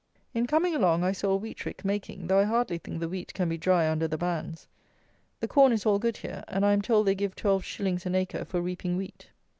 In coming along I saw a wheat rick making, though I hardly think the wheat can be dry under the bands. The corn is all good here; and I am told they give twelve shillings an acre for reaping wheat.